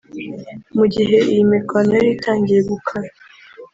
Mu gihe iyo mirwano yaritangiye gukara